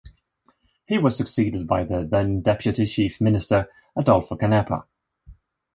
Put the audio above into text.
He was succeeded by the then Deputy Chief Minister, Adolfo Canepa.